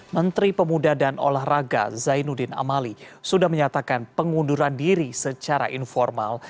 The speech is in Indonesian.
menteri pemuda dan olahraga zainuddin amali sudah menyatakan pengunduran diri secara informal